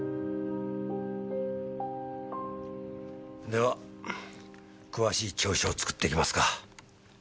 では詳しい調書を作っていきますか。